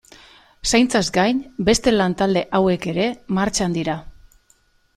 Zaintzaz gain, beste lantalde hauek ere martxan dira.